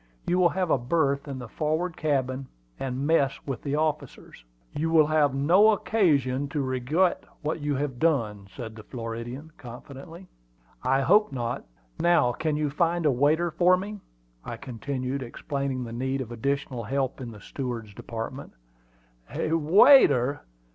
"You will have a berth in the forward cabin, and mess with the officers." "You will have no occasion to regret what you have done," said the Floridian, confidently. "I hope not. Now, can you find a waiter for me?" I continued, explaining the need of additional help in the steward's department. "A waiter!